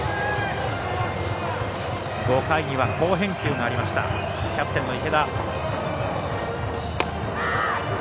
５回には好返球がありましたキャプテンの池田。